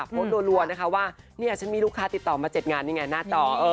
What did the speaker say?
รัวนะคะว่าเนี่ยฉันมีลูกค้าติดต่อมา๗งานนี่ไงหน้าจอ